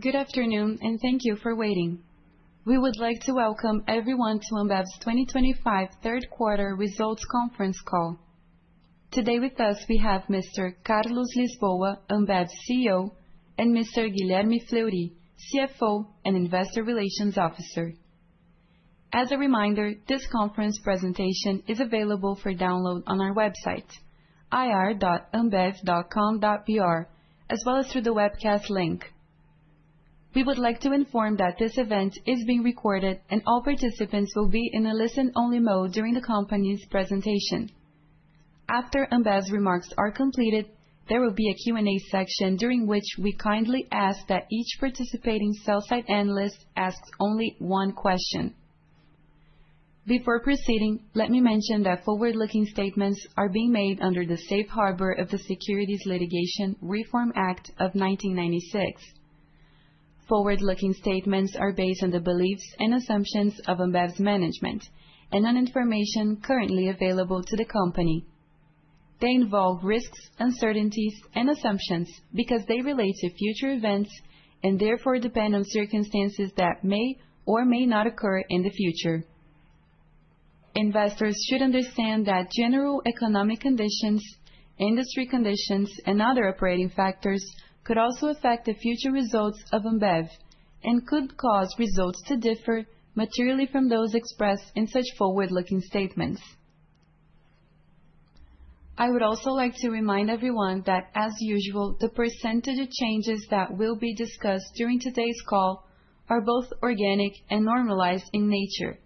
Good afternoon, and thank you for waiting. We would like to welcome everyone to Ambev's 2025 third quarter results conference call. Today with us, we have Mr. Carlos Lisboa, Ambev CEO, and Mr. Guilherme Fleury, CFO and Investor Relations Officer. As a reminder, this conference presentation is available for download on our website, ir.ambev.com.br, as well as through the webcast link. We would like to inform that this event is being recorded, and all participants will be in a listen-only mode during the company's presentation. After Ambev's remarks are completed, there will be a Q&A section during which we kindly ask that each participating sell-side analyst ask only one question. Before proceeding, let me mention that forward-looking statements are being made under the Safe Harbor of the Securities Litigation Reform Act of 1996. Forward-looking statements are based on the beliefs and assumptions of Ambev's management and on information currently available to the company. They involve risks, uncertainties, and assumptions because they relate to future events and therefore depend on circumstances that may or may not occur in the future. Investors should understand that general economic conditions, industry conditions, and other operating factors could also affect the future results of Ambev and could cause results to differ materially from those expressed in such forward-looking statements. I would also like to remind everyone that, as usual, the percentage of changes that will be discussed during today's call are both organic and normalized in nature,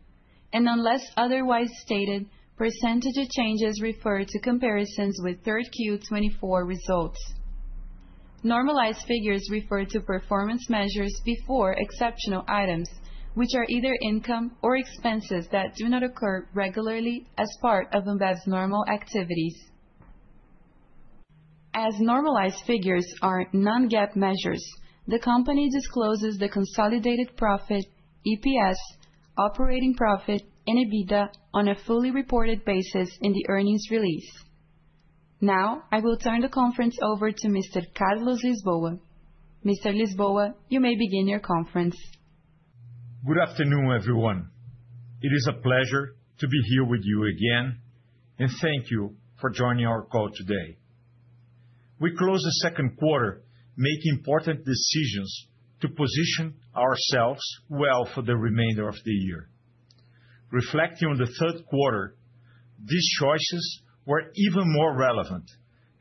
and unless otherwise stated, percentage of changes refer to comparisons with third Q24 results. Normalized figures refer to performance measures before exceptional items, which are either income or expenses that do not occur regularly as part of Ambev's normal activities. As normalized figures are Non-GAAP measures, the company discloses the consolidated profit, EPS, operating profit, and EBITDA on a fully reported basis in the earnings release. Now, I will turn the conference over to Mr. Carlos Lisboa. Mr. Lisboa, you may begin your conference. Good afternoon, everyone. It is a pleasure to be here with you again, and thank you for joining our call today. We closed the second quarter making important decisions to position ourselves well for the remainder of the year. Reflecting on the third quarter, these choices were even more relevant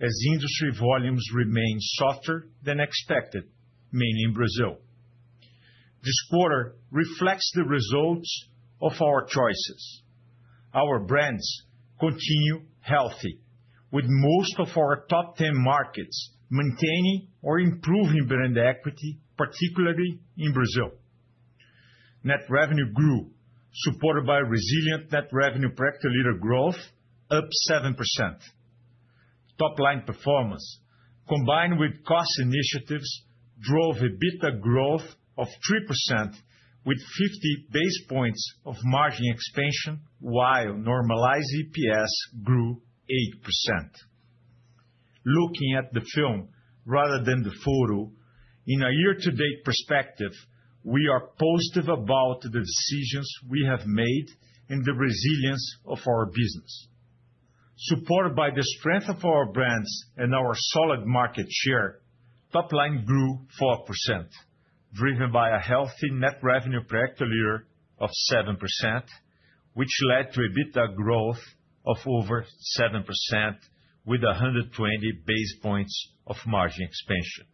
as industry volumes remain softer than expected, mainly in Brazil. This quarter reflects the results of our choices. Our brands continue healthy, with most of our top 10 markets maintaining or improving brand equity, particularly in Brazil. Net revenue grew, supported by resilient net revenue per capita growth, up 7%. Top-line performance, combined with cost initiatives, drove EBITDA growth of 3%, with 50 basis points of margin expansion, while normalized EPS grew 8%. Looking at the film rather than the photo, in a year-to-date perspective, we are positive about the decisions we have made and the resilience of our business. Supported by the strength of our brands and our solid market share, top-line grew 4%, driven by a healthy net revenue per capita of 7%, which led to EBITDA growth of over 7%, with 120 basis points of margin expansion.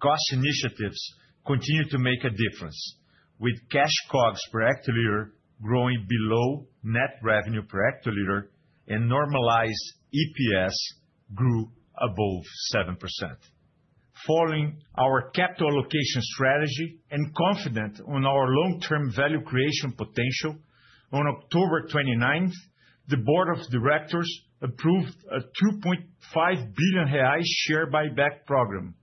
Cost initiatives continue to make a difference, with Cash COGS per hectoliter growing below net revenue per capita and normalized EPS grew above 7%. Following our capital allocation strategy and confident on our long-term value creation potential, on October 29, the Board of Directors approved a 2.5 billion reais share buyback program,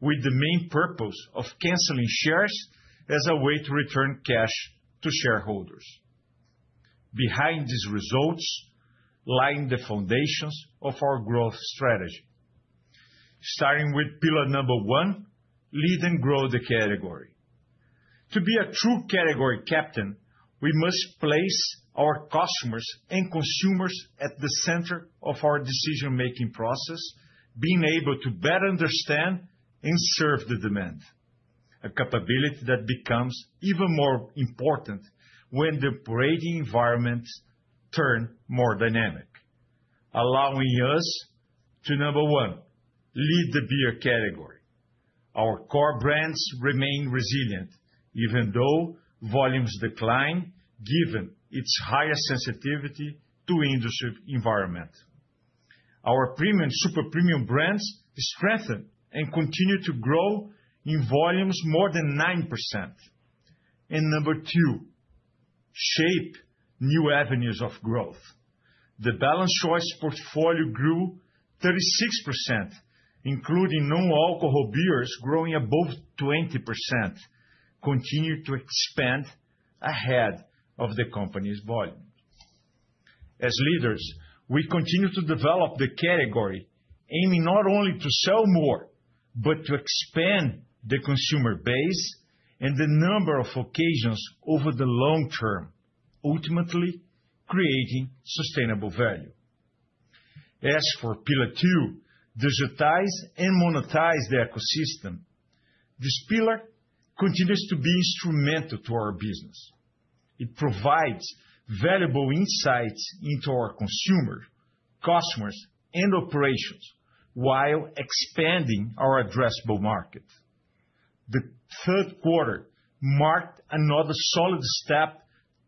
with the main purpose of canceling shares as a way to return cash to shareholders. Behind these results lie the foundations of our growth strategy, starting with Pillar number one, lead and grow the category. To be a true category captain, we must place our customers and consumers at the center of our decision-making process, being able to better understand and serve the demand, a capability that becomes even more important when the operating environments turn more dynamic, allowing us to, number one, lead the beer category. Our core brands remain resilient, even though volumes decline, given its higher sensitivity to industry environment. Our premium and super premium brands strengthen and continue to grow in volumes more than 9%. And number two, shape new avenues of growth. The balanced choice portfolio grew 36%, including non-alcoholic beers growing above 20%, continuing to expand ahead of the company's volume. As leaders, we continue to develop the category, aiming not only to sell more but to expand the consumer base and the number of occasions over the long term, ultimately creating sustainable value. As for Pillar two, digitize and monetize the ecosystem. This pillar continues to be instrumental to our business. It provides valuable insights into our consumers, customers, and operations while expanding our addressable market. The third quarter marked another solid step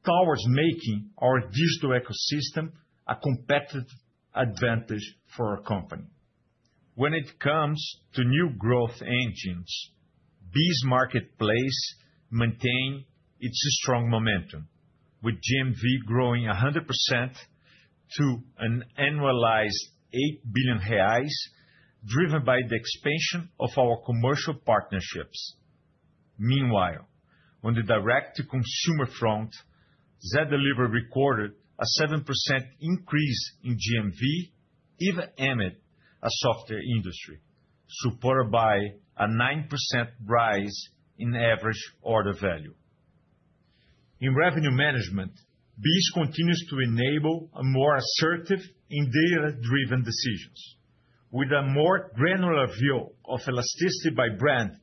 towards making our digital ecosystem a competitive advantage for our company. When it comes to new growth engines, BEES Marketplace maintains its strong momentum, with GMV growing 100% to an annualized 8 billion reais, driven by the expansion of our commercial partnerships. Meanwhile, on the direct-to-consumer front, Zé Delivery recorded a 7% increase in GMV, even amid a softer industry, supported by a 9% rise in average order value. In revenue management, BEES continues to enable a more assertive and data-driven decisions. With a more granular view of elasticity by brand,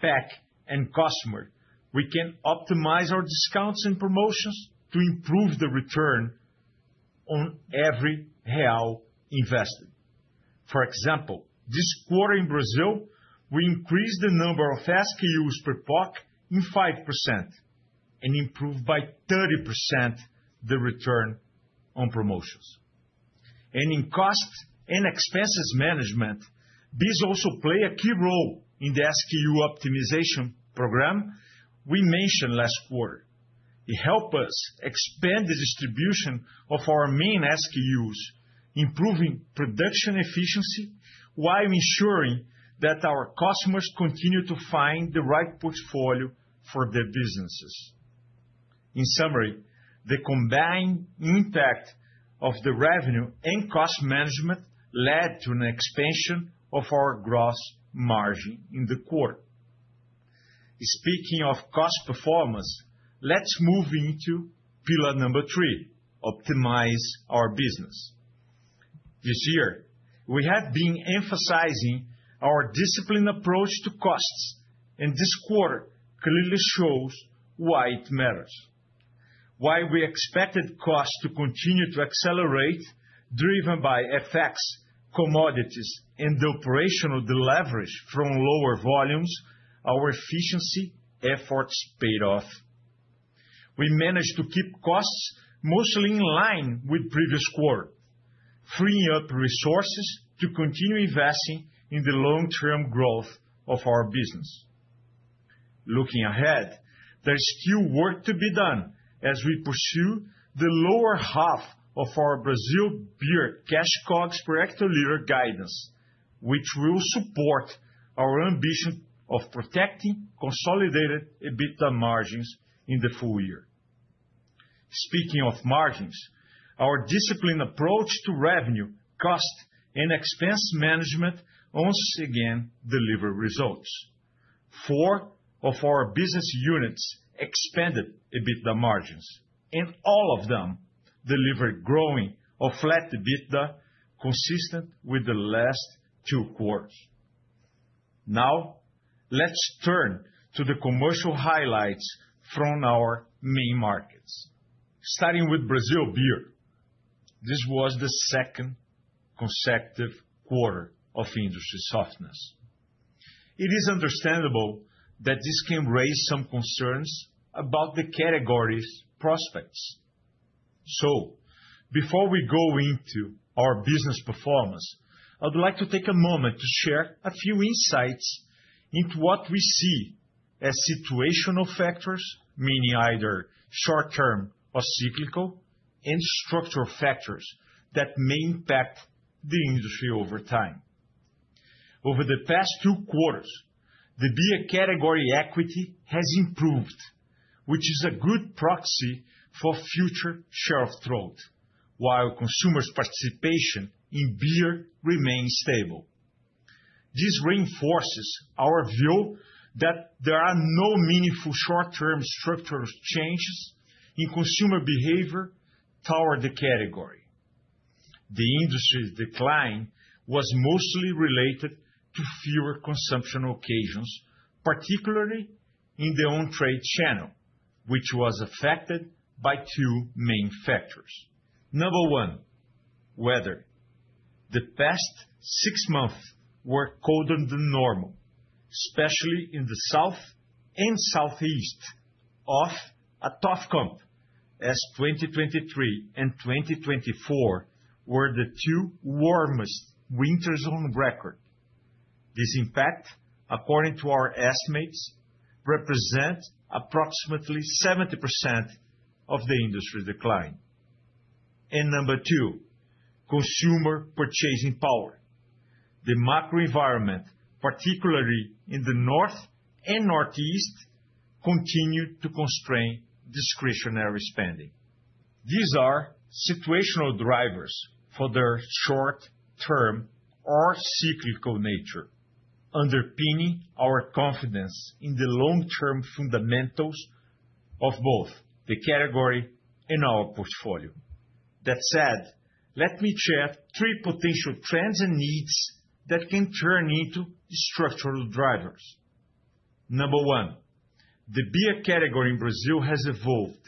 pack, and customer, we can optimize our discounts and promotions to improve the return on every real invested. For example, this quarter in Brazil, we increased the number of SKUs per pack in 5% and improved by 30% the return on promotions. And in cost and expenses management, BEES also plays a key role in the SKU optimization program we mentioned last quarter. It helped us expand the distribution of our main SKUs, improving production efficiency while ensuring that our customers continue to find the right portfolio for their businesses. In summary, the combined impact of the revenue and cost management led to an expansion of our gross margin in the quarter. Speaking of cost performance, let's move into Pillar number three, optimize our business. This year, we have been emphasizing our disciplined approach to costs, and this quarter clearly shows why it matters, why we expected costs to continue to accelerate, driven by FX, commodities, and the operational deleverage from lower volumes. Our efficiency efforts paid off. We managed to keep costs mostly in line with the previous quarter, freeing up resources to continue investing in the long-term growth of our business. Looking ahead, there's still work to be done as we pursue the lower half of our Brazil Beer Cash COGS per hectoliter guidance, which will support our ambition of protecting consolidated EBITDA margins in the full year. Speaking of margins, our disciplined approach to revenue, cost, and expense management once again delivered results. Four of our business units expanded EBITDA margins, and all of them delivered growing or flat EBITDA consistent with the last two quarters. Now, let's turn to the commercial highlights from our main markets, starting with Brazil Beer. This was the second consecutive quarter of industry softness. It is understandable that this can raise some concerns about the category's prospects. Before we go into our business performance, I'd like to take a moment to share a few insights into what we see as situational factors, meaning either short-term or cyclical, and structural factors that may impact the industry over time. Over the past two quarters, the beer category equity has improved, which is a good proxy for future share of throat, while consumers' participation in beer remains stable. This reinforces our view that there are no meaningful short-term structural changes in consumer behavior toward the category. The industry's decline was mostly related to fewer consumption occasions, particularly in the on-trade channel, which was affected by two main factors. Number one, weather. The past six months were colder than normal, especially in the South and Southeast of a tough comp, as 2023 and 2024 were the two warmest winters on record. This impact, according to our estimates, represents approximately 70% of the industry decline, and number two, consumer purchasing power. The macro environment, particularly in the North and Northeast, continued to constrain discretionary spending. These are situational drivers for their short-term or cyclical nature, underpinning our confidence in the long-term fundamentals of both the category and our portfolio. That said, let me share three potential trends and needs that can turn into structural drivers. Number one, the beer category in Brazil has evolved.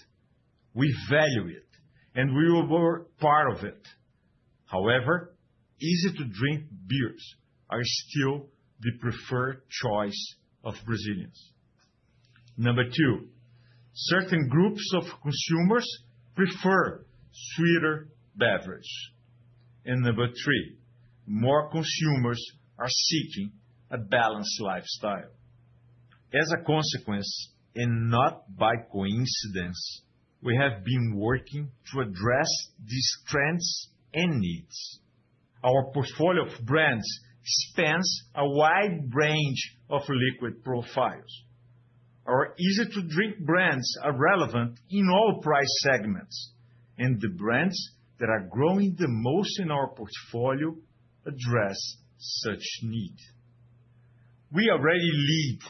We value it, and we were part of it. However, easy-to-drink beers are still the preferred choice of Brazilians. Number two, certain groups of consumers prefer sweeter beverages, and number three, more consumers are seeking a balanced lifestyle. As a consequence, and not by coincidence, we have been working to address these trends and needs. Our portfolio of brands spans a wide range of liquid profiles. Our easy-to-drink brands are relevant in all price segments, and the brands that are growing the most in our portfolio address such needs. We already lead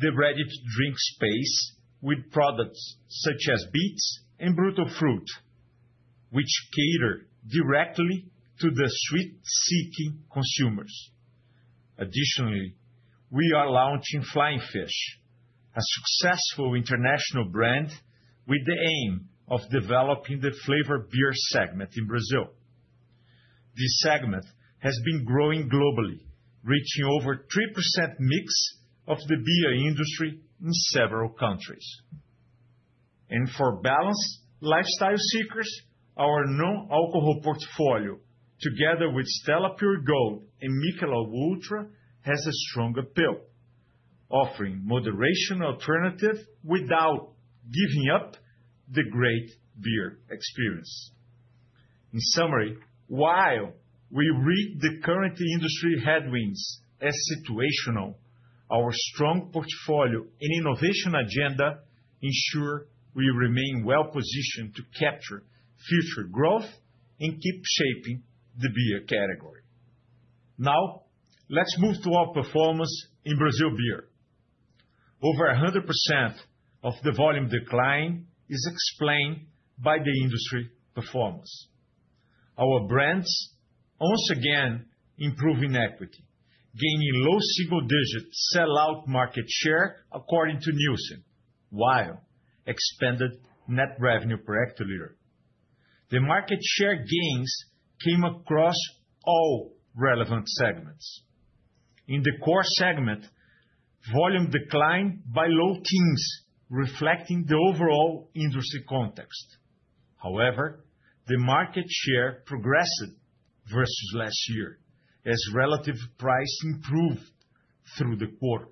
the ready-to-drink space with products such as Beats and Brutal Fruit, which cater directly to the sweet-seeking consumers. Additionally, we are launching Flying Fish, a successful international brand with the aim of developing the flavored beer segment in Brazil. This segment has been growing globally, reaching over 3% mix of the beer industry in several countries. And for balanced lifestyle seekers, our non-alcoholic portfolio, together with Stella Pure Gold and Michelob Ultra, has a strong appeal, offering moderation alternatives without giving up the great beer experience. In summary, while we read the current industry headwinds as situational, our strong portfolio and innovation agenda ensure we remain well-positioned to capture future growth and keep shaping the beer category. Now, let's move to our performance in Brazil Beer. Over 100% of the volume decline is explained by the industry performance. Our brands once again improve in equity, gaining low single-digit sellout market share, according to Nielsen, while expanded net revenue per hectoliter. The market share gains came across all relevant segments. In the core segment, volume declined by low teens, reflecting the overall industry context. However, the market share progressed versus last year as relative price improved through the quarter.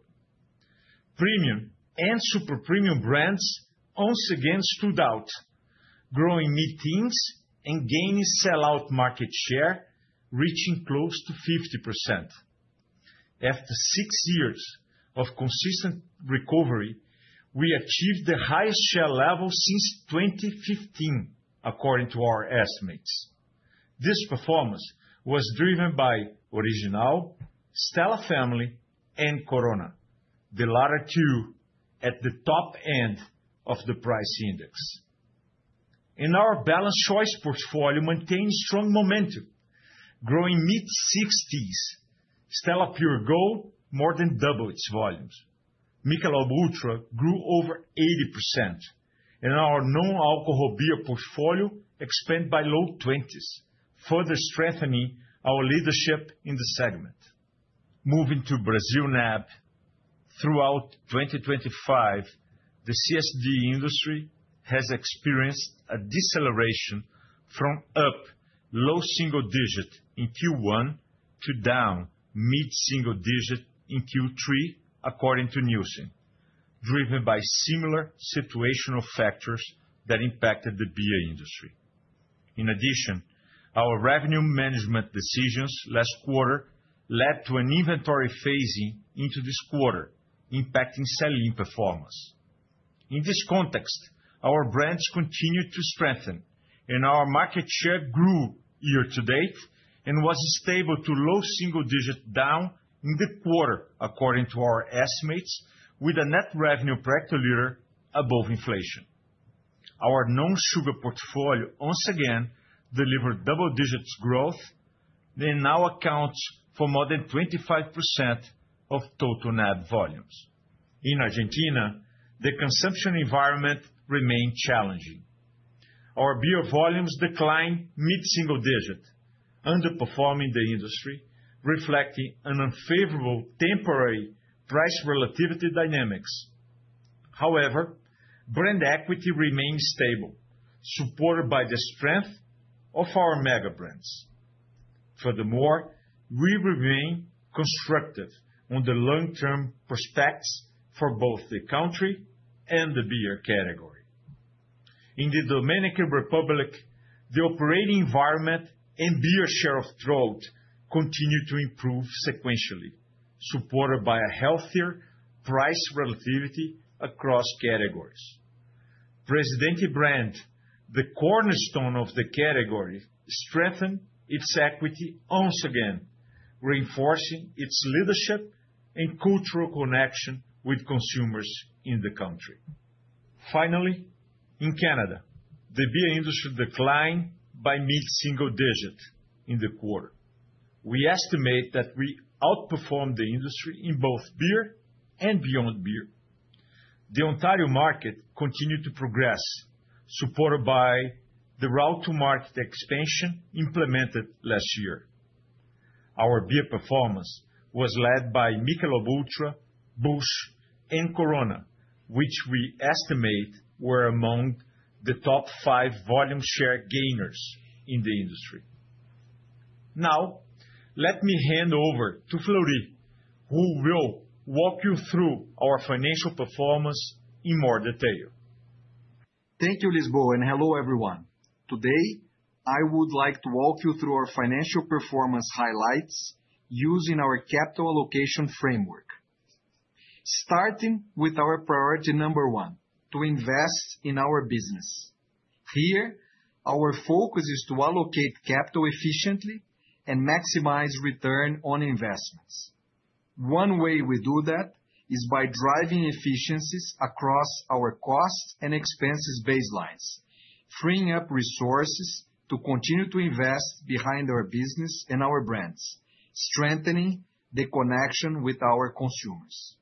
Premium and super premium brands once again stood out, growing mid-teens and gaining sellout market share, reaching close to 50%. After six years of consistent recovery, we achieved the highest share level since 2015, according to our estimates. This performance was driven by Original, Stella Family, and Corona, the latter two at the top end of the price index. Our balanced choice portfolio maintained strong momentum, growing mid-60s. Stella Pure Gold more than doubled its volumes. Michelob Ultra grew over 80%, and our non-alcoholic beer portfolio expanded by low-20s, further strengthening our leadership in the segment. Moving to Brazil NAB, throughout 2025, the CSD industry has experienced a deceleration from up low-single-digit in Q1 to down mid-single-digit in Q3, according to Nielsen, driven by similar situational factors that impacted the beer industry. In addition, our revenue management decisions last quarter led to an inventory phasing into this quarter, impacting selling performance. In this context, our brands continued to strengthen, and our market share grew year-to-date and was stable to low-single-digit down in the quarter, according to our estimates, with a net revenue per hectoliter above inflation. Our non-sugar portfolio once again delivered double-digit growth, which now accounts for more than 25% of total NAB volumes. In Argentina, the consumption environment remained challenging. Our beer volumes declined mid-single digit, underperforming the industry, reflecting an unfavorable temporary price relativity dynamics. However, brand equity remained stable, supported by the strength of our mega brands. Furthermore, we remain constructive on the long-term prospects for both the country and the beer category. In the Dominican Republic, the operating environment and beer share of throat continue to improve sequentially, supported by a healthier price relativity across categories. Presidente brand, the cornerstone of the category, strengthened its equity once again, reinforcing its leadership and cultural connection with consumers in the country. Finally, in Canada, the beer industry declined by mid-single digit in the quarter. We estimate that we outperformed the industry in both beer and beyond beer. The Ontario market continued to progress, supported by the route-to-market expansion implemented last year. Our beer performance was led by Michelob Ultra, Busch, and Corona, which we estimate were among the top five volume share gainers in the industry. Now, let me hand over to Fleury, who will walk you through our financial performance in more detail. Thank you, Lisboa, and hello, everyone. Today, I would like to walk you through our financial performance highlights using our capital allocation framework, starting with our priority number one, to invest in our business. Here, our focus is to allocate capital efficiently and maximize return on investments. One way we do that is by driving efficiencies across our cost and expenses baselines, freeing up resources to continue to invest behind our business and our brands, strengthening the connection with our consumers.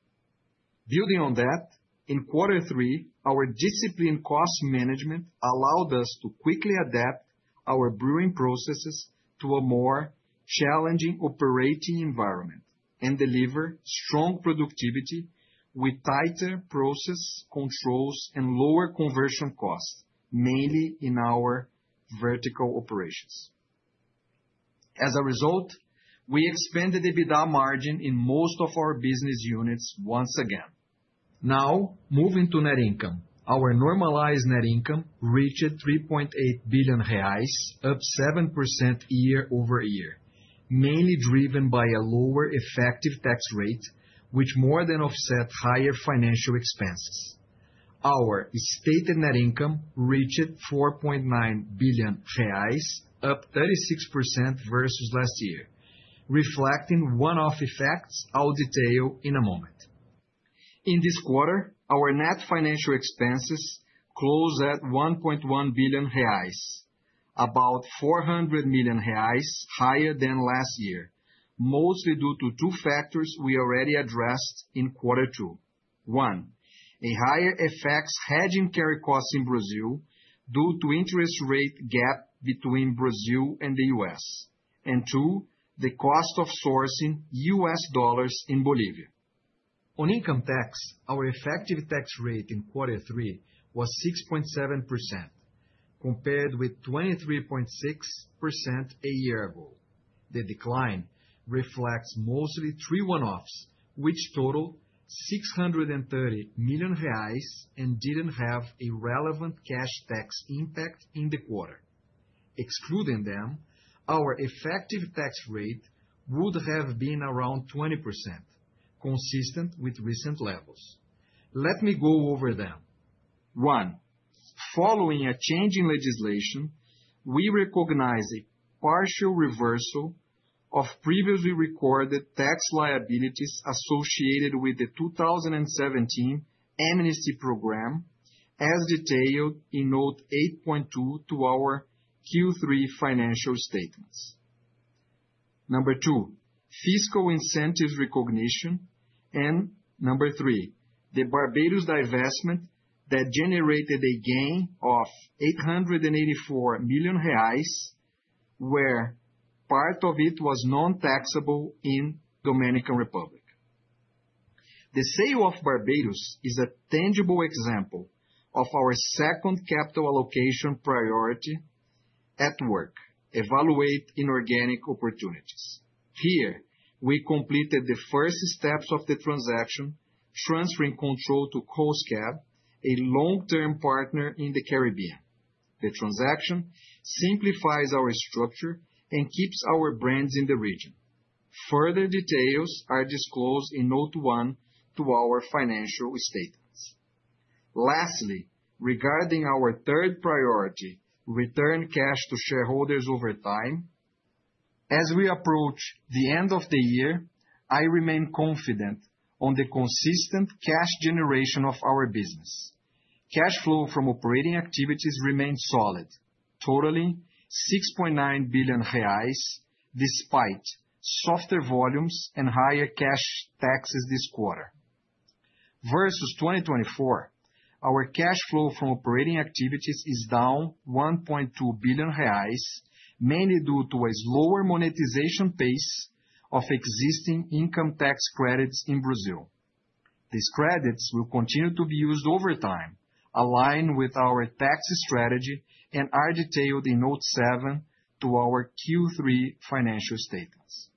Building on that, in quarter three, our disciplined cost management allowed us to quickly adapt our brewing processes to a more challenging operating environment and deliver strong productivity with tighter process controls and lower conversion costs, mainly in our vertical operations. As a result, we expanded EBITDA margin in most of our business units once again. Now, moving to net income, our normalized net income reached 3.8 billion reais, up 7% year-over-year, mainly driven by a lower effective tax rate, which more than offset higher financial expenses. Our stated net income reached 4.9 billion reais, up 36% versus last year, reflecting one-off effects I'll detail in a moment. In this quarter, our net financial expenses closed at 1.1 billion reais, about 400 million reais higher than last year, mostly due to two factors we already addressed in quarter two. One, higher FX hedging carry costs in Brazil due to the interest rate gap between Brazil and the U.S., and two, the cost of sourcing U.S. dollars in Bolivia. On income tax, our effective tax rate in quarter three was 6.7%, compared with 23.6% a year ago. The decline reflects mostly three one-offs, which totaled 630 million reais and didn't have a relevant cash tax impact in the quarter. Excluding them, our effective tax rate would have been around 20%, consistent with recent levels. Let me go over them. One, following a change in legislation, we recognize a partial reversal of previously recorded tax liabilities associated with the 2017 amnesty program, as detailed in note 8.2 to our Q3 financial statements. Number two, fiscal incentives recognition, and number three, the Barbados divestment that generated a gain of 884 million reais, where part of it was non-taxable in the Dominican Republic. The sale of Barbados is a tangible example of our second capital allocation priority at work, evaluate inorganic opportunities. Here, we completed the first steps of the transaction, transferring control to KOSCAB, a long-term partner in the Caribbean. The transaction simplifies our structure and keeps our brands in the region. Further details are disclosed in note one to our financial statements. Lastly, regarding our third priority, return cash to shareholders over time, as we approach the end of the year, I remain confident on the consistent cash generation of our business. Cash flow from operating activities remained solid, totaling BRL 6.9 billion, despite softer volumes and higher cash taxes this quarter. Versus 2024, our cash flow from operating activities is down 1.2 billion reais, mainly due to a slower monetization pace of existing income tax credits in Brazil. These credits will continue to be used over time, aligned with our tax strategy, and are detailed in note seven to our Q3 financial statements.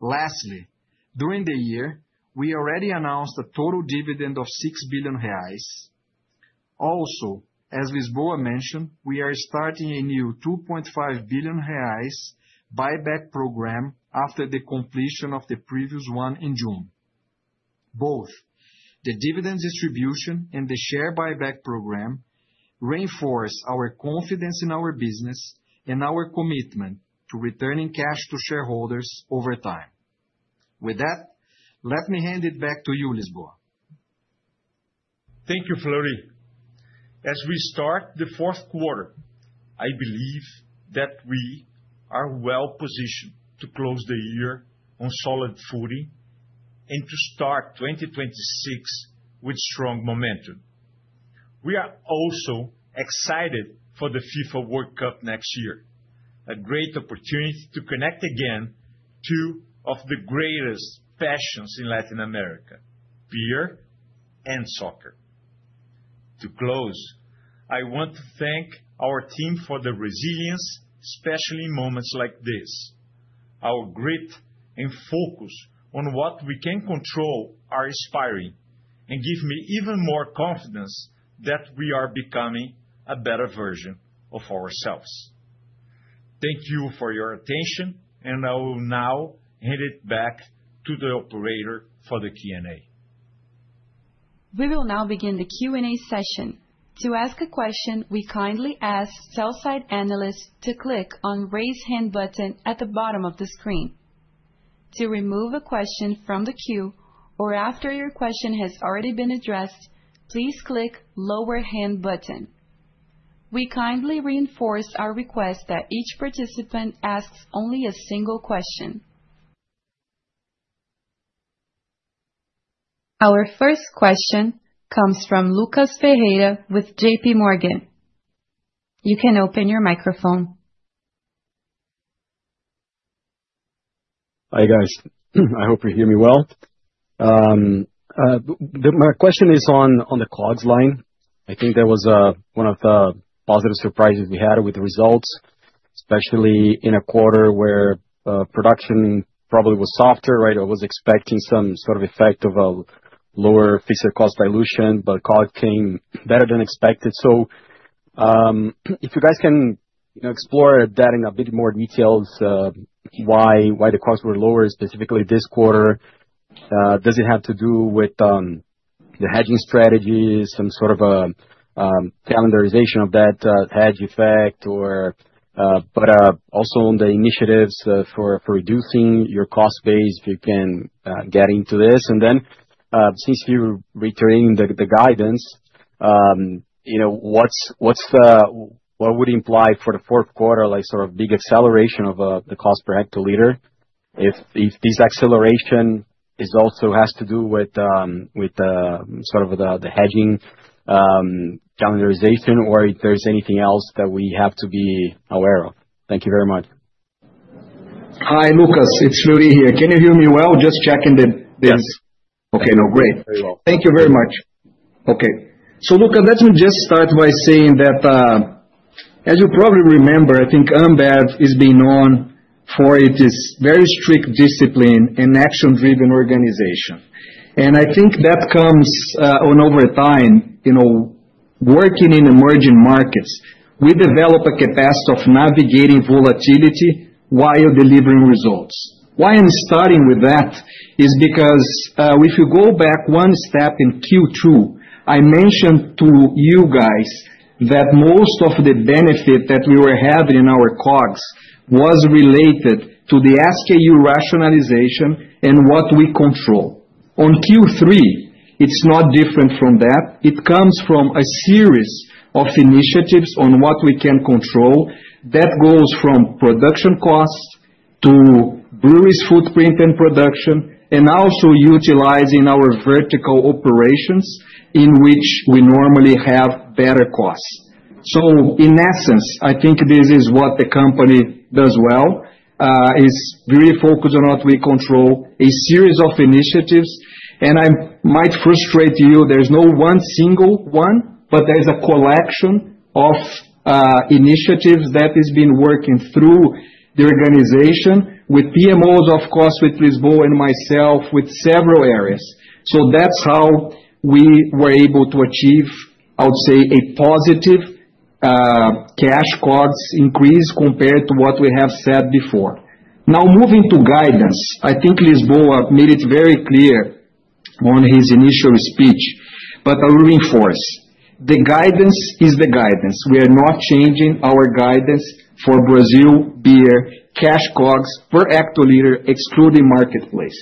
Lastly, during the year, we already announced a total dividend of 6 billion reais. Also, as Lisboa mentioned, we are starting a new 2.5 billion reais buyback program after the completion of the previous one in June. Both the dividend distribution and the share buyback program reinforce our confidence in our business and our commitment to returning cash to shareholders over time. With that, let me hand it back to you, Lisboa. Thank you, Fleury. As we start the fourth quarter, I believe that we are well-positioned to close the year on solid footing and to start 2026 with strong momentum. We are also excited for the FIFA World Cup next year, a great opportunity to connect again two of the greatest passions in Latin America, beer and soccer. To close, I want to thank our team for the resilience, especially in moments like this. Our grit and focus on what we can control are inspiring and give me even more confidence that we are becoming a better version of ourselves. Thank you for your attention, and I will now hand it back to the operator for the Q&A. We will now begin the Q&A session. To ask a question, we kindly ask sell-side analysts to click on the raise hand button at the bottom of the screen. To remove a question from the queue or after your question has already been addressed, please click the lower hand button. We kindly reinforce our request that each participant asks only a single question. Our first question comes from Lucas Ferreira with JPMorgan. You can open your microphone. Hi guys, I hope you hear me well. My question is on the COGS line. I think that was one of the positive surprises we had with the results, especially in a quarter where production probably was softer, right? I was expecting some sort of effect of a lower fixed cost dilution, but COGS came better than expected. So if you guys can explore that in a bit more detail, why the COGS were lower specifically this quarter, does it have to do with the hedging strategy, some sort of a calendarization of that hedge effect, but also on the initiatives for reducing your cost base if you can get into this? And then since you're returning the guidance, what would imply for the fourth quarter, like sort of big acceleration of the cost per hectoliter? If this acceleration also has to do with sort of the hedging calendarization or if there's anything else that we have to be aware of? Thank you very much. Hi, Lucas, it's Fleury here. Can you hear me well? Just checking the—Yes. Okay, no, great. Thank you very much. Okay. So Lucas, let me just start by saying that, as you probably remember, I think Ambev has been known for its very strict discipline and action-driven organization. And I think that comes on over time. Working in emerging markets, we develop a capacity of navigating volatility while delivering results. Why I'm starting with that is because if you go back one step in Q2, I mentioned to you guys that most of the benefit that we were having in our COGS was related to the SKU rationalization and what we control. On Q3, it's not different from that. It comes from a series of initiatives on what we can control that goes from production costs to brewery's footprint and production, and also utilizing our vertical operations in which we normally have better costs. So in essence, I think this is what the company does well. It's very focused on what we control, a series of initiatives. And I might frustrate you, there's no one single one, but there's a collection of initiatives that have been working through the organization with PMOs, of course, with Lisboa and myself, with several areas. So that's how we were able to achieve, I would say, a positive cash cost increase compared to what we have said before. Now, moving to guidance, I think Lisboa made it very clear on his initial speech, but I'll reinforce. The guidance is the guidance. We are not changing our guidance for Brazil Beer cash COGS per hectoliter excluding marketplace.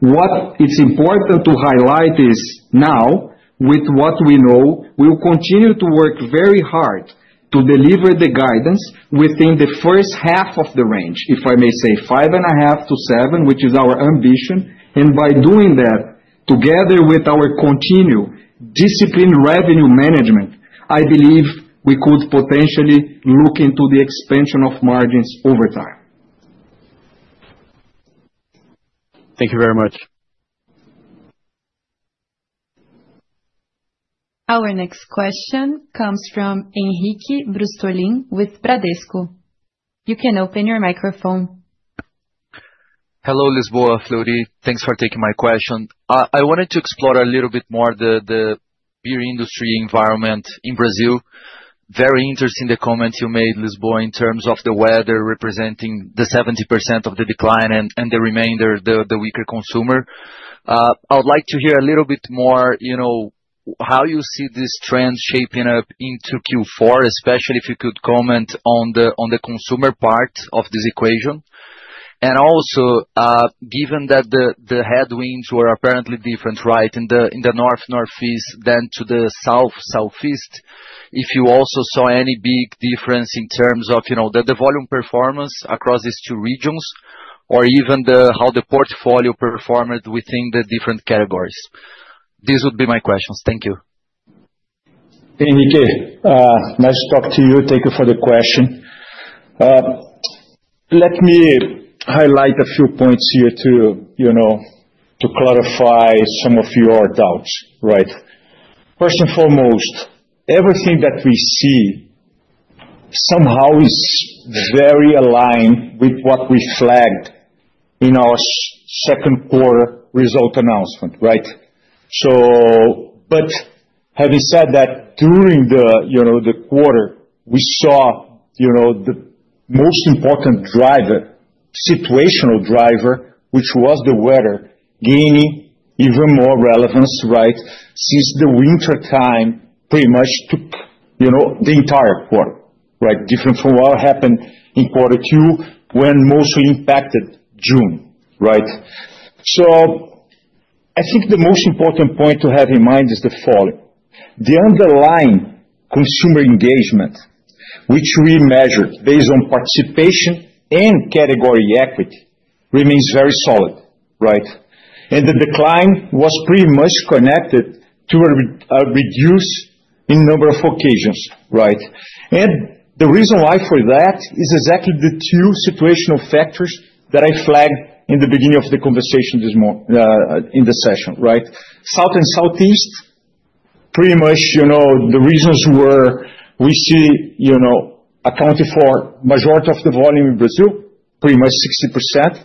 What it's important to highlight is now, with what we know, we'll continue to work very hard to deliver the guidance within the first half of the range, if I may say, five and a half to seven, which is our ambition. And by doing that, together with our continued disciplined revenue management, I believe we could potentially look into the expansion of margins over time. Thank you very much. Our next question comes from Henrique Brustolin with Bradesco. You can open your microphone. Hello, Lisboa, Fleury. Thanks for taking my question. I wanted to explore a little bit more the beer industry environment in Brazil. Very interesting the comment you made, Lisboa, in terms of the weather representing the 70% of the decline and the remainder, the weaker consumer. I would like to hear a little bit more how you see this trend shaping up into Q4, especially if you could comment on the consumer part of this equation, and also, given that the headwinds were apparently different, right, in the North-Northeast than to the South-Southeast, if you also saw any big difference in terms of the volume performance across these two regions, or even how the portfolio performed within the different categories. These would be my questions. Thank you. Henrique, nice to talk to you. Thank you for the question. Let me highlight a few points here to clarify some of your doubts, right? First and foremost, everything that we see somehow is very aligned with what we flagged in our second quarter result announcement, right? But having said that, during the quarter, we saw the most important driver, situational driver, which was the weather, gaining even more relevance, right, since the wintertime pretty much took the entire quarter, right, different from what happened in quarter two when mostly impacted June, right? So I think the most important point to have in mind is the following. The underlying consumer engagement, which we measured based on participation and category equity, remains very solid, right? And the decline was pretty much connected to a reduced number of occasions, right? And the reason why for that is exactly the two situational factors that I flagged in the beginning of the conversation in the session, right? South and Southeast, pretty much the reasons were we see accounted for the majority of the volume in Brazil, pretty much 60%,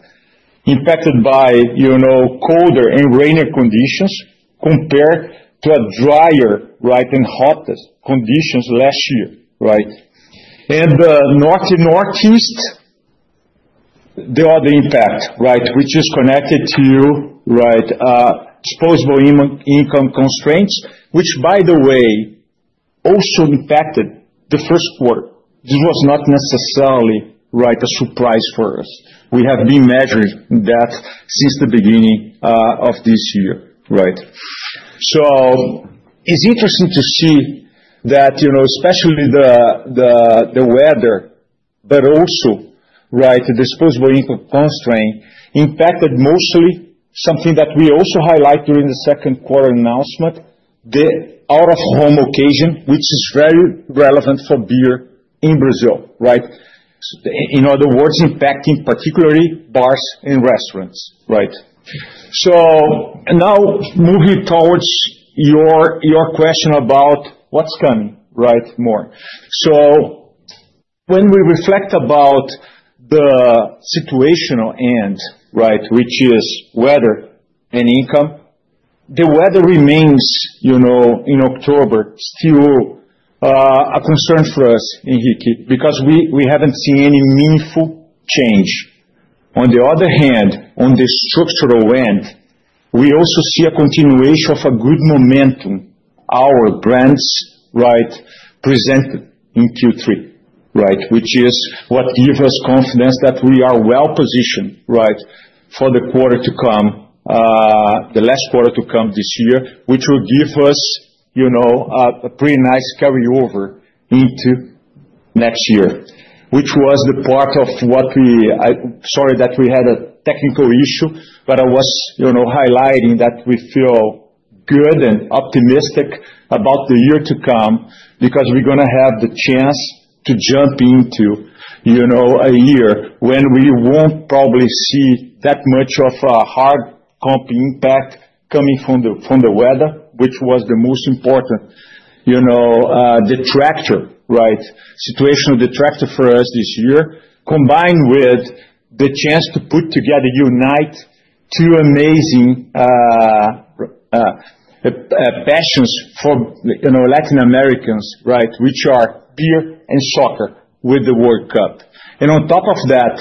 impacted by colder and rainy conditions compared to drier and hotter conditions last year, right? And the North and Northeast, the other impact, right, which is connected to disposable income constraints, which, by the way, also impacted the first quarter. This was not necessarily a surprise for us. We have been measuring that since the beginning of this year, right? So it's interesting to see that, especially the weather, but also the disposable income constraint impacted mostly something that we also highlighted during the second quarter announcement, the out-of-home occasion, which is very relevant for beer in Brazil, right? In other words, impacting particularly bars and restaurants, right? So now moving towards your question about what's coming, right, more. So when we reflect about the situational end, right, which is weather and income, the weather remains in October still a concern for us, Henrique, because we haven't seen any meaningful change. On the other hand, on the structural end, we also see a continuation of a good momentum. Our brands, right, presented in Q3, right, which is what gives us confidence that we are well-positioned, right, for the quarter to come, the last quarter to come this year, which will give us a pretty nice carryover into next year, which was the part of what we—sorry that we had a technical issue, but I was highlighting that we feel good and optimistic about the year to come because we're going to have the chance to jump into a year when we won't probably see that much of a hard comp impact coming from the weather, which was the most important. The factor, right, situational factor for us this year, combined with the chance to put together, unite two amazing passions for Latin Americans, right, which are beer and soccer with the World Cup. On top of that,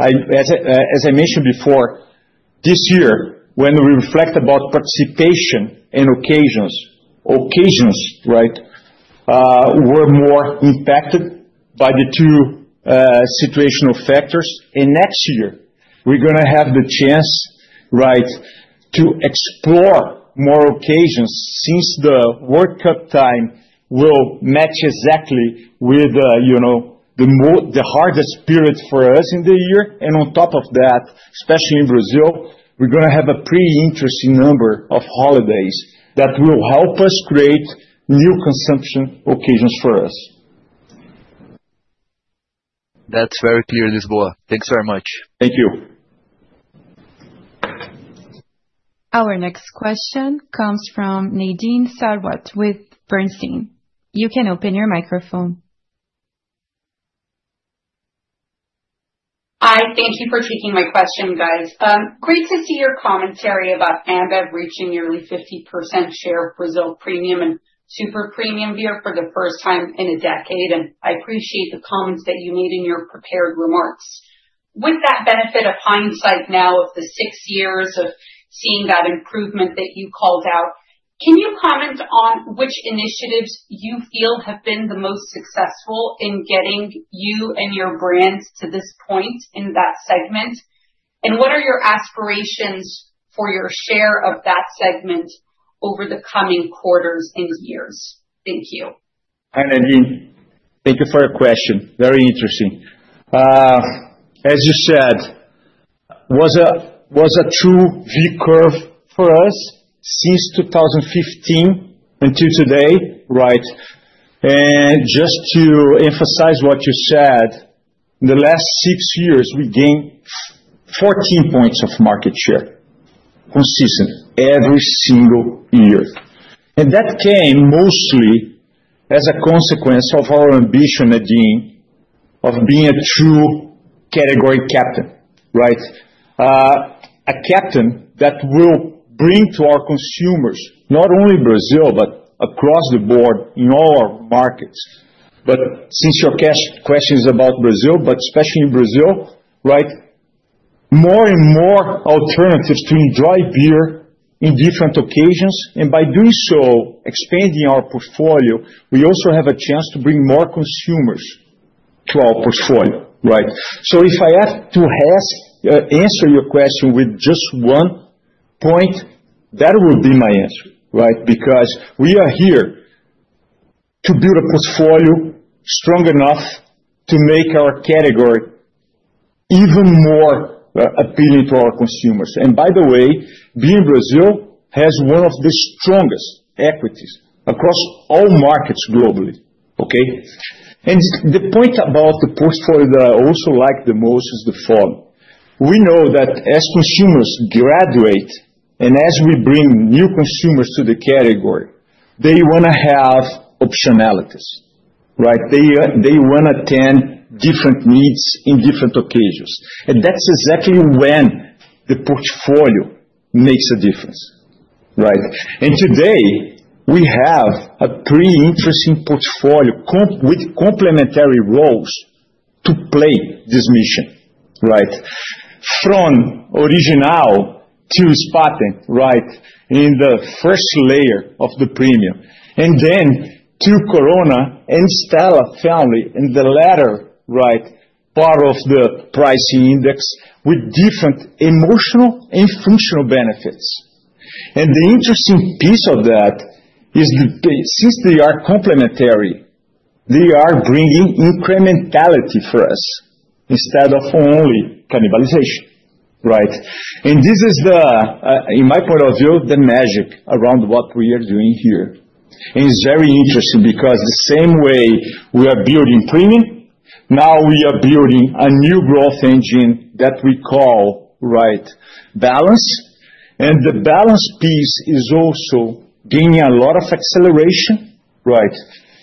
as I mentioned before, this year, when we reflect about participation and occasions, right, were more impacted by the two situational factors. Next year, we're going to have the chance, right, to explore more occasions since the World Cup time will match exactly with the hardest period for us in the year. On top of that, especially in Brazil, we're going to have a pretty interesting number of holidays that will help us create new consumption occasions for us. That's very clear, Lisboa. Thanks very much. Thank you. Our next question comes from Nadine Sarwat with Bernstein. You can open your microphone. Hi, thank you for taking my question, guys. Great to see your commentary about Ambev reaching nearly 50% share of Brazil premium and super premium beer for the first time in a decade. And I appreciate the comments that you made in your prepared remarks. With that benefit of hindsight now of the six years of seeing that improvement that you called out, can you comment on which initiatives you feel have been the most successful in getting you and your brands to this point in that segment? And what are your aspirations for your share of that segment over the coming quarters and years? Thank you. Hi, Nadine. Thank you for your question. Very interesting. As you said, it was a true V-curve for us since 2015 until today, right? Just to emphasize what you said, in the last six years, we gained 14 points of market share consistently every single year. That came mostly as a consequence of our ambition, Nadine, of being a true category captain, right? A captain that will bring to our consumers, not only Brazil, but across the board in all our markets. Since your question is about Brazil, especially in Brazil, right, more and more alternatives to enjoy beer in different occasions. By doing so, expanding our portfolio, we also have a chance to bring more consumers to our portfolio, right? If I have to answer your question with just one point, that will be my answer, right? Because we are here to build a portfolio strong enough to make our category even more appealing to our consumers. And by the way, beer in Brazil has one of the strongest equities across all markets globally, okay? And the point about the portfolio that I also like the most is the following. We know that as consumers graduate and as we bring new consumers to the category, they want to have optionalities, right? They want to attend different needs in different occasions. And that's exactly when the portfolio makes a difference, right? And today, we have a pretty interesting portfolio with complementary roles to play this mission, right? From Original to Spaten, right, in the first layer of the premium. And then to Corona and Stella family in the latter, right, part of the pricing index with different emotional and functional benefits. And the interesting piece of that is that since they are complementary, they are bringing incrementality for us instead of only cannibalization, right? And this is, in my point of view, the magic around what we are doing here. And it's very interesting because the same way we are building premium, now we are building a new growth engine that we call, right, balance. And the balance piece is also gaining a lot of acceleration, right?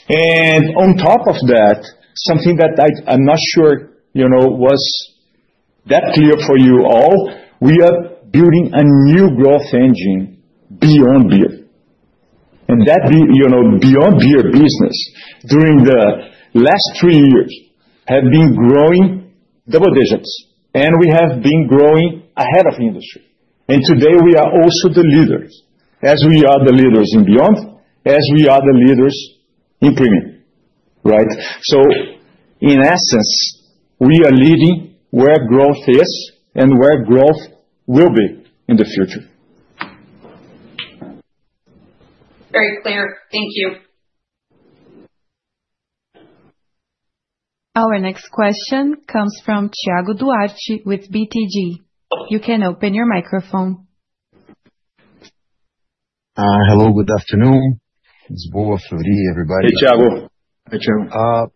And on top of that, something that I'm not sure was that clear for you all, we are building a new growth engine Beyond Beer. And that Beyond Beer business during the last three years has been growing double digits. And we have been growing ahead of the industry. And today, we are also the leaders, as we are the leaders in Beyond Beer, as we are the leaders in premium, right? So in essence, we are leading where growth is and where growth will be in the future. Very clear. Thank you. Our next question comes from Tiago Duarte with BTG. You can open your microphone. Hello, good afternoon. It's boa, Fleury, everybody. Hey, Tiago.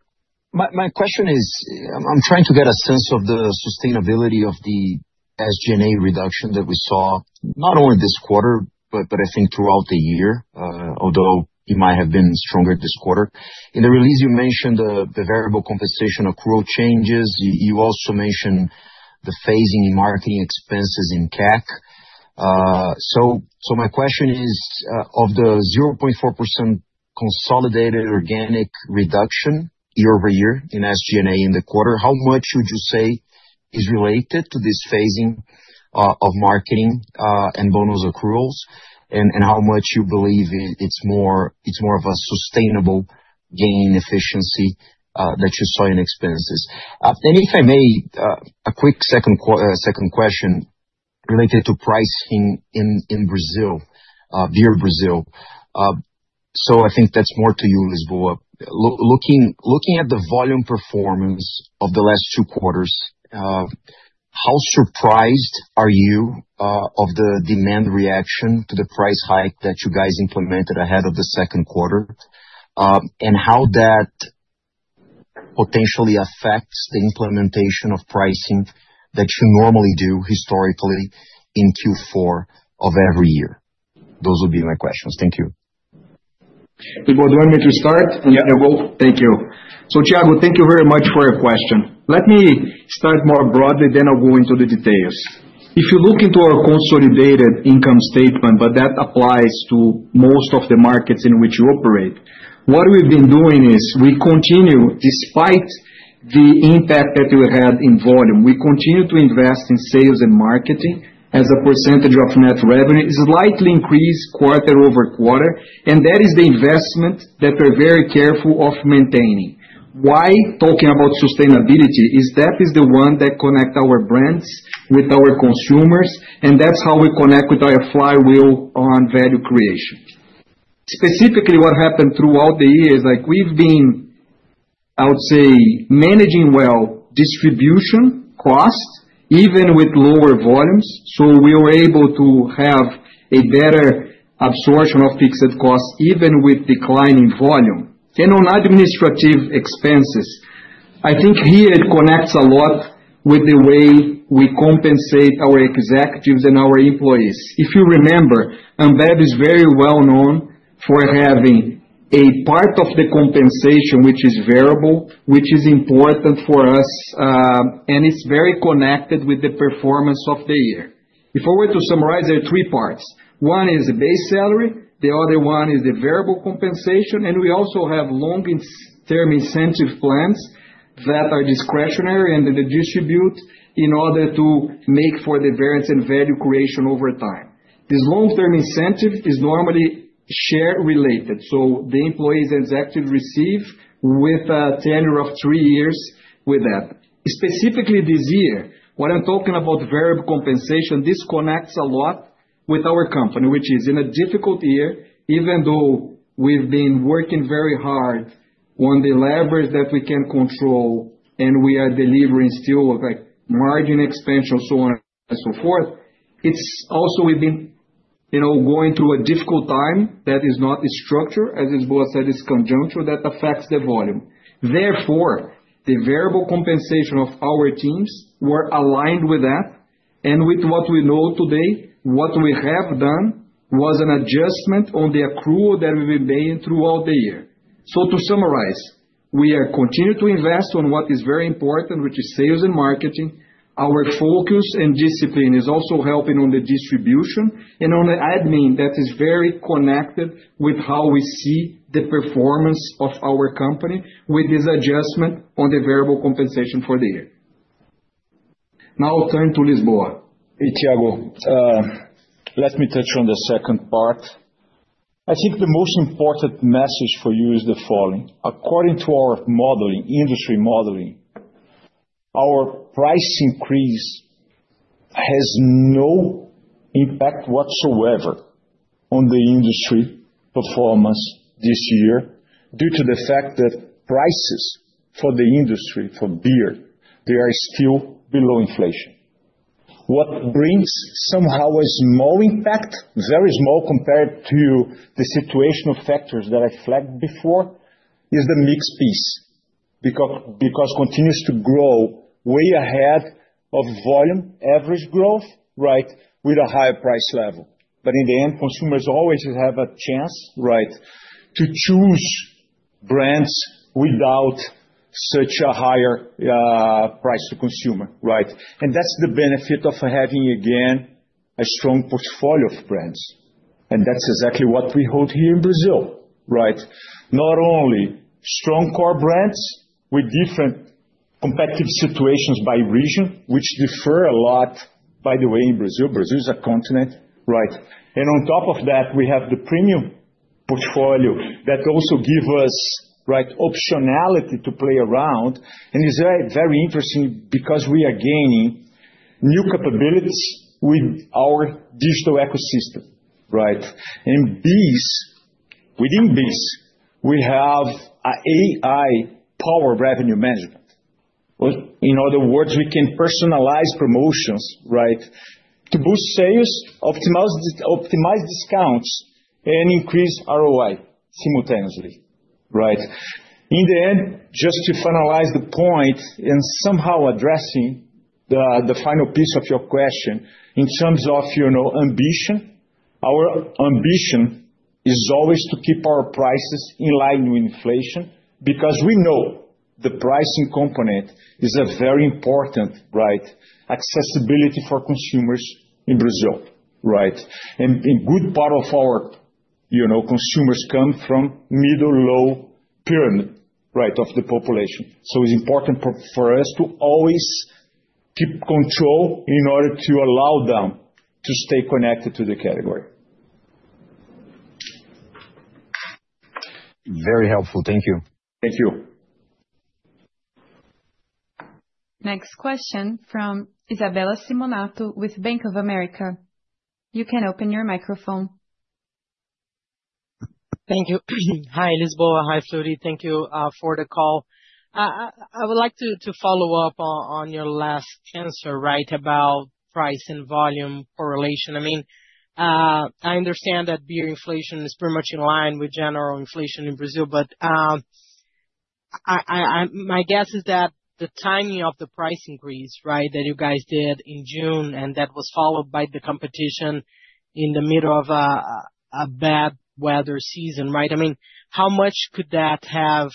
My question is, I'm trying to get a sense of the sustainability of the SG&A reduction that we saw, not only this quarter, but I think throughout the year, although it might have been stronger this quarter. In the release, you mentioned the variable compensation accrual changes. You also mentioned the phasing in marketing expenses in CAC. So my question is, of the 0.4% consolidated organic reduction year-over-year in SG&A in the quarter, how much would you say is related to this phasing of marketing and bonus accruals, and how much you believe it's more of a sustainable gain in efficiency that you saw in expenses? And if I may, a quick second question related to pricing in Brazil, beer Brazil. So I think that's more to you, Lisboa. Looking at the volume performance of the last two quarters, how surprised are you of the demand reaction to the price hike that you guys implemented ahead of the second quarter, and how that potentially affects the implementation of pricing that you normally do historically in Q4 of every year? Those would be my questions. Thank you. Do you want me to start? Yes. Thank you. So Tiago, thank you very much for your question. Let me start more broadly, then I'll go into the details. If you look into our consolidated income statement, but that applies to most of the markets in which you operate, what we've been doing is we continue, despite the impact that we had in volume, we continue to invest in sales and marketing as a percentage of net revenue, slightly increased quarter-over-quarter. And that is the investment that we're very careful of maintaining. Why talking about sustainability? That is the one that connects our brands with our consumers, and that's how we connect with our flywheel on value creation. Specifically, what happened throughout the year is we've been, I would say, managing well distribution cost, even with lower volumes. So we were able to have a better absorption of fixed costs, even with declining volume. And on administrative expenses, I think here it connects a lot with the way we compensate our executives and our employees. If you remember, Ambev is very well known for having a part of the compensation, which is variable, which is important for us, and it's very connected with the performance of the year. If I were to summarize, there are three parts. One is the base salary. The other one is the variable compensation. We also have long-term incentive plans that are discretionary and distribute in order to make for the variance and value creation over time. This long-term incentive is normally share-related. The employees and executives receive with a tenure of three years with that. Specifically, this year, what I'm talking about, variable compensation, this connects a lot with our company, which is in a difficult year, even though we've been working very hard on the levers that we can control and we are delivering still margin expansion, so on and so forth. It's also we've been going through a difficult time that is not structured, as Lisboa said, is conjunctural that affects the volume. Therefore, the variable compensation of our teams were aligned with that. With what we know today, what we have done was an adjustment on the accrual that we've been paying throughout the year. So to summarize, we are continuing to invest on what is very important, which is sales and marketing. Our focus and discipline is also helping on the distribution and on the admin that is very connected with how we see the performance of our company with this adjustment on the variable compensation for the year. Now I'll turn to Lisboa. Hey, Tiago, let me touch on the second part. I think the most important message for you is the following. According to our industry modeling, our price increase has no impact whatsoever on the industry performance this year due to the fact that prices for the industry, for beer, they are still below inflation. What brings somehow a small impact, very small compared to the situational factors that I flagged before, is the mixed piece because it continues to grow way ahead of volume average growth, right, with a higher price level. But in the end, consumers always have a chance, right, to choose brands without such a higher price to consumer, right? And that's the benefit of having, again, a strong portfolio of brands. And that's exactly what we hold here in Brazil, right? Not only strong core brands with different competitive situations by region, which differ a lot, by the way, in Brazil. Brazil is a continent, right? And on top of that, we have the premium portfolio that also gives us optionality to play around. And it's very interesting because we are gaining new capabilities with our digital ecosystem, right? And within this, we have AI-powered revenue management. In other words, we can personalize promotions, right, to boost sales, optimize discounts, and increase ROI simultaneously, right? In the end, just to finalize the point and somehow addressing the final piece of your question in terms of ambition, our ambition is always to keep our prices in line with inflation because we know the pricing component is very important, right? Accessibility for consumers in Brazil, right? And a good part of our consumers come from middle-low pyramid, right, of the population. So it's important for us to always keep control in order to allow them to stay connected to the category. Very helpful. Thank you. Thank you. Next question from Isabella Simonato with Bank of America. You can open your microphone. Thank you. Hi, Lisboa. Hi, Fleury. Thank you for the call. I would like to follow up on your last answer, right, about price and volume correlation. I mean, I understand that beer inflation is pretty much in line with general inflation in Brazil, but my guess is that the timing of the price increase, right, that you guys did in June, and that was followed by the competition in the middle of a bad weather season, right? I mean, how much could that have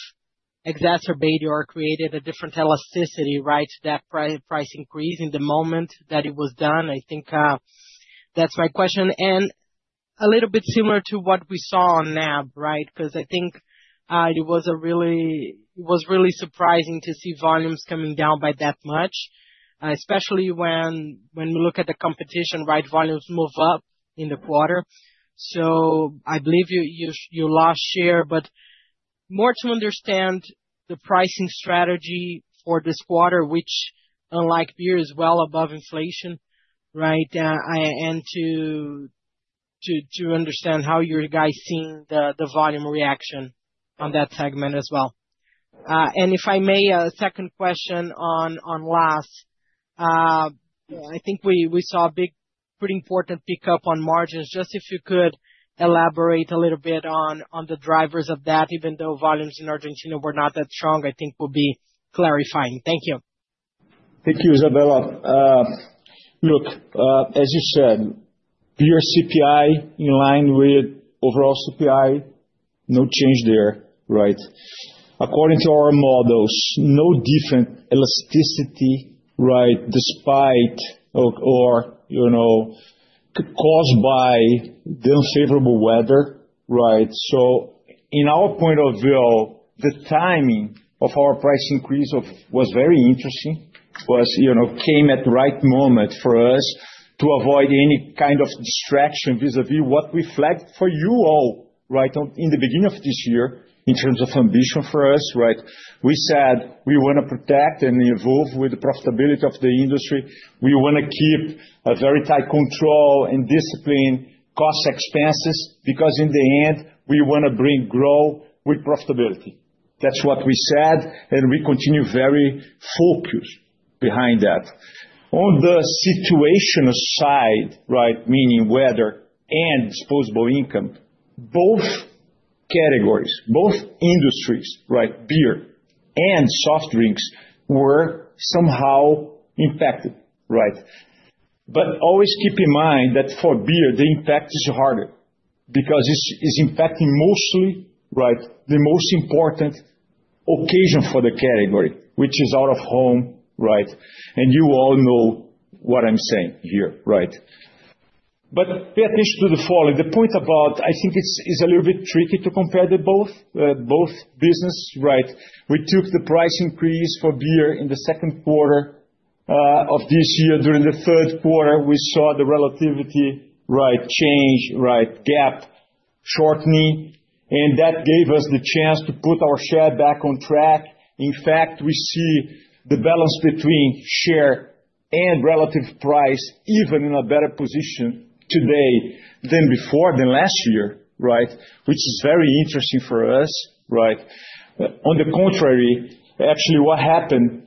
exacerbated or created a different elasticity, right, to that price increase in the moment that it was done? I think that's my question, and a little bit similar to what we saw on NAB, right? Because I think it was really surprising to see volumes coming down by that much, especially when we look at the competition, right, volumes move up in the quarter. So I believe you lost share, but more to understand the pricing strategy for this quarter, which, unlike beer, is well above inflation, right? To understand how you guys see the volume reaction on that segment as well. And if I may, a second question on LAS. I think we saw a pretty important pickup on margins. Just if you could elaborate a little bit on the drivers of that, even though volumes in Argentina were not that strong, I think would be clarifying. Thank you. Thank you, Isabella. Look, as you said, beer CPI in line with overall CPI, no change there, right? According to our models, no different elasticity, right, despite or caused by the unfavorable weather, right? So in our point of view, the timing of our price increase was very interesting, came at the right moment for us to avoid any kind of distraction vis-à-vis what we flagged for you all, right, in the beginning of this year in terms of ambition for us, right? We said we want to protect and evolve with the profitability of the industry. We want to keep a very tight control and discipline, costs, expenses, because in the end, we want to bring growth with profitability. That's what we said, and we continue very focused behind that. On the situational side, right, meaning weather and disposable income, both categories, both industries, right, beer and soft drinks were somehow impacted, right? But always keep in mind that for beer, the impact is harder because it's impacting mostly, right, the most important occasion for the category, which is out of home, right? And you all know what I'm saying here, right? But pay attention to the following. The point about, I think it's a little bit tricky to compare the both business, right? We took the price increase for beer in the second quarter of this year. During the third quarter, we saw the relativity, right, change, right, gap, shortening, and that gave us the chance to put our share back on track. In fact, we see the balance between share and relative price even in a better position today than before, than last year, right? Which is very interesting for us, right? On the contrary, actually, what happened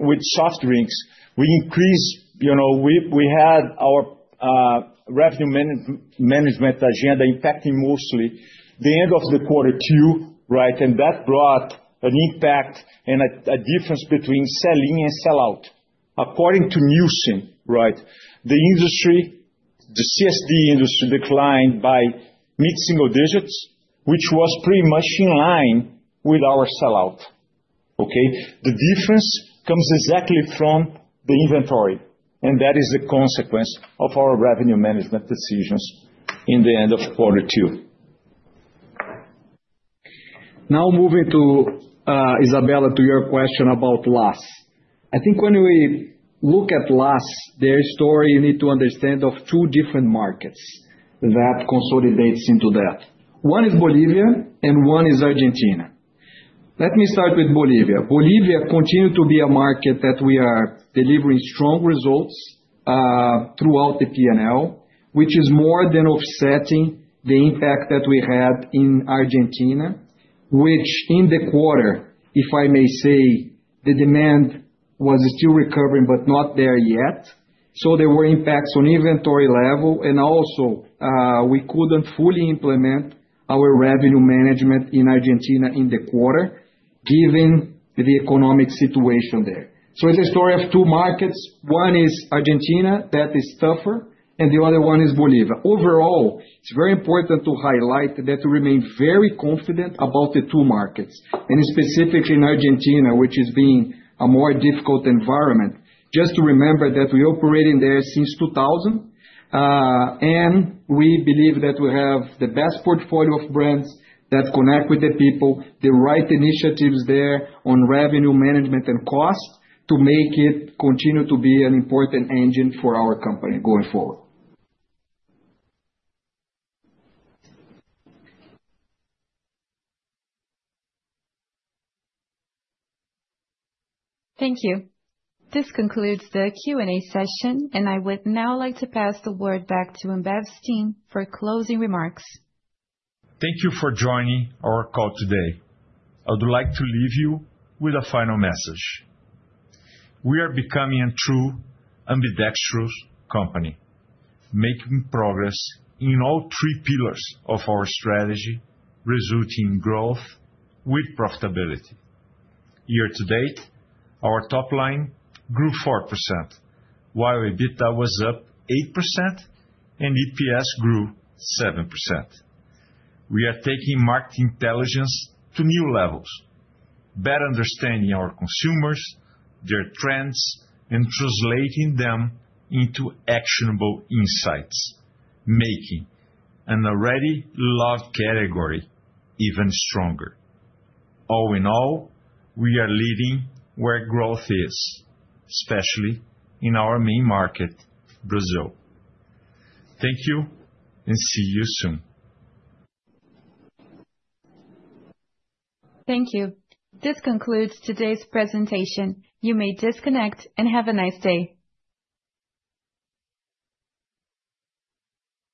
with soft drinks, we increased, we had our revenue management agenda impacting mostly the end of the quarter too, right? And that brought an impact and a difference between sell-in and sell-out. According to Nielsen, right, the industry, the CSD industry declined by mid-single digits, which was pretty much in line with our sell-out, okay? The difference comes exactly from the inventory, and that is the consequence of our revenue management decisions in the end of quarter two. Now moving to Isabella, to your question about LAS. I think when we look at LAS, there is a story you need to understand of two different markets that consolidates into that. One is Bolivia, and one is Argentina. Let me start with Bolivia. Bolivia continues to be a market that we are delivering strong results throughout the P&L, which is more than offsetting the impact that we had in Argentina, which in the quarter, if I may say, the demand was still recovering, but not there yet, so there were impacts on inventory level, and also we couldn't fully implement our revenue management in Argentina in the quarter given the economic situation there, so it's a story of two markets. One is Argentina that is tougher, and the other one is Bolivia. Overall, it's very important to highlight that we remain very confident about the two markets, and specifically in Argentina, which is being a more difficult environment. Just to remember that we operate in there since 2000, and we believe that we have the best portfolio of brands that connect with the people, the right initiatives there on revenue management and cost to make it continue to be an important engine for our company going forward. Thank you. This concludes the Q&A session, and I would now like to pass the word back to Ambev's team for closing remarks. Thank you for joining our call today. I would like to leave you with a final message. We are becoming a true ambidextrous company, making progress in all three pillars of our strategy, resulting in growth with profitability. Year to date, our top line grew 4%, while EBITDA was up 8%, and EPS grew 7%. We are taking market intelligence to new levels, better understanding our consumers, their trends, and translating them into actionable insights, making an already loved category even stronger. All in all, we are leading where growth is, especially in our main market, Brazil. Thank you, and see you soon. Thank you. This concludes today's presentation. You may disconnect and have a nice day.